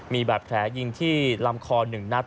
มีบาดแผลยิงที่ลำคอ๑นัด